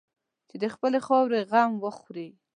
چې د خپلې خاورې غم وخوري.